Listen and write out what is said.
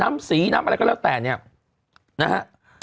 สีน้ำอะไรก็แล้วแต่เนี่ยนะฮะ